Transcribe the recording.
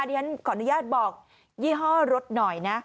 เดี๋ยวฉันขออนุญาตบอกยี่ห้อรถหน่อยนะ